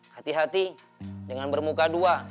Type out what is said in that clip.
hati hati dengan bermuka dua